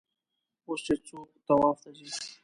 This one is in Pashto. اوس چې څوک طواف ته ځي.